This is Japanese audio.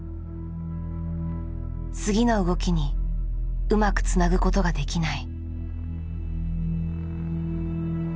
次の動きにうまくつなぐことができない。